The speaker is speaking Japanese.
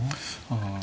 ああ。